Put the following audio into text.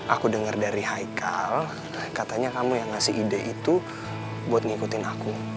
aku dengar dari haikal katanya kamu yang ngasih ide itu buat ngikutin aku